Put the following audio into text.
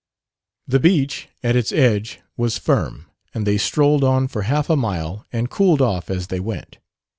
The beach, at its edge, was firm, and they strolled on for half a mile and cooled off as they went.